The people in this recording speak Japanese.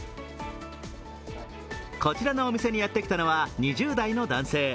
こちらのお店にやってきたのは２０代の男性。